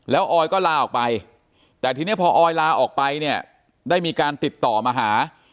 แล้วออยก็ลาออกไปแต่ทีนี้พอออยลาออกไปเนี่ยได้มีการติดต่อมาหา